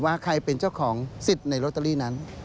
ว่าใครเป็นเจ้าของสิทธิ์ในโรตเตอรี่นั้น